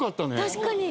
確かに！